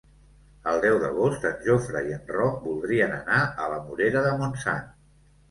El deu d'agost en Jofre i en Roc voldrien anar a la Morera de Montsant.